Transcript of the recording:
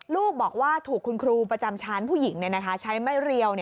ลูกบอกว่าถูกคุณครูประจำชั้นผู้หญิงใช้ไม่เรียว